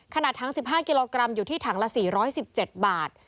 ถัง๑๕กิโลกรัมอยู่ที่ถังละ๔๑๗บาท